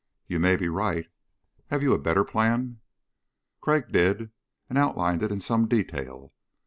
"You may be right. Have you a better plan?" Crag did, and outlined it in some detail.